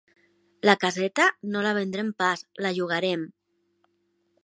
La caseta, no la vendrem pas: la llogarem.